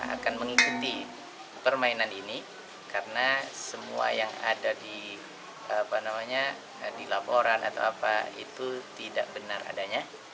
akan mengikuti permainan ini karena semua yang ada di laporan atau apa itu tidak benar adanya